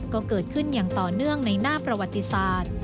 ก็เกิดขึ้นอย่างต่อเนื่องในหน้าประวัติศาสตร์